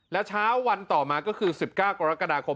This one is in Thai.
แล้วเช้าวันต่อมาก็คือ๑๙กรกฎาคม